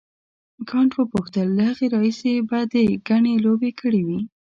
کانت وپوښتل له هغه راهیسې به دې ګڼې لوبې کړې وي.